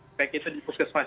seperti itu di puskes mas